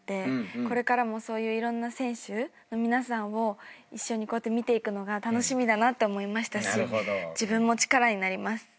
これからもそういういろんな選手の皆さんを一緒にこうやって見ていくのが楽しみだなって思いましたし自分も力になります。